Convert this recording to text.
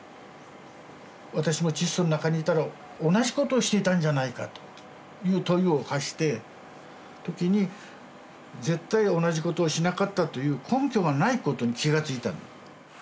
「私もチッソの中にいたら同じことをしていたんじゃないか」という問いを発して時に絶対同じことをしなかったという根拠がないことに気がついた。